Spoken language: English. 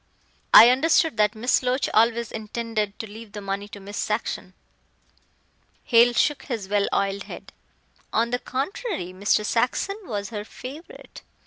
I understood that Miss Loach always intended to leave the money to Miss Saxon." Hale shook his well oiled head. "On the contrary, Mr. Saxon was her favorite.